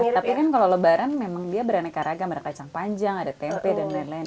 tapi kan kalau lebaran memang dia beraneka ragam ada kacang panjang ada tempe dan lain lain